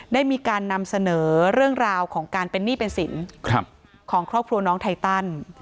ได้มีการนำเสนอเรื่องราวของการเป็นหนี้เป็นสินของครอบครัวน้องไทตัน